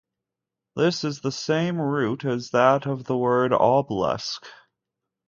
This is the same root as that of the word "obelisk".